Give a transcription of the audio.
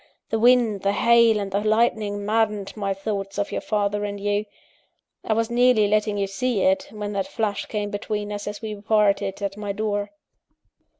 The wind, the hail, and the lightning maddened my thoughts of your father and you I was nearly letting you see it, when that flash came between us as we parted at my door.